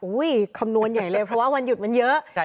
คำนวณใหญ่เลยเพราะว่าวันหยุดมันเยอะ